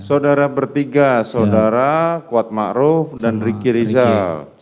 saudara bertiga saudara kuatma'ruf dan riki rizal